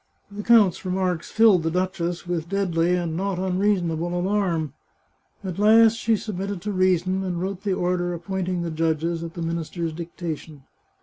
The count's remarks filled the duchess with deadly and not unreasonable alarm. At last she submitted to reason, and wrote the order appointing the judges, at the minister's dictation.